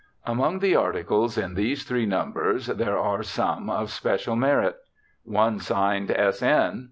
Among the articles in these three numbers there are some of special merit. One signed S. N.